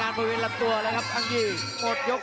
วางแค่ขวาเกด